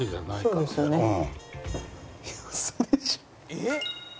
「えっ？